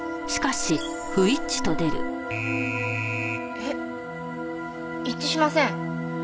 えっ？一致しません。